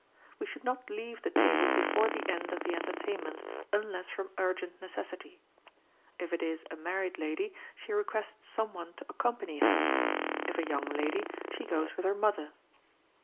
We should not leave the table before the end of the entertainment, unless from urgent necessity. If it is a married lady, she requests some one to accompany her; if a young lady, she goes with her mother.